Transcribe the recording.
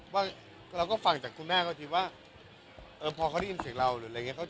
ว่าเราก็ฟังจากคุณแม่ก็คิดว่าพอเขาได้ยินเสียงเราหรืออะไรอย่างนี้